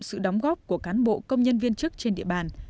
sự đóng góp của cán bộ công nhân viên chức trên địa bàn